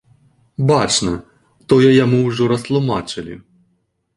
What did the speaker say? Бачна, тое яму ўжо растлумачылі.